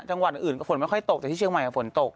จังหวัดอื่นก็ฝนไม่ค่อยตกแต่ที่เชียงใหม่ฝนตก